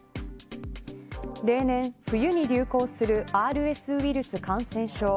例年、冬に流行するＲＳウイルス感染症。